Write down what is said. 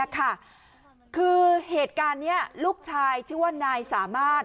คือเหตุการณ์นี้ลูกชายชื่อว่านายสามารถ